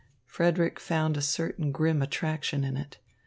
Frederick found a certain grim attraction in it.